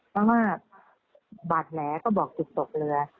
เพราะว่าบาดแผลก็บอกจุดตกเรือ